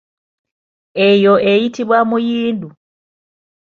Eyo eyitibwa muyindu.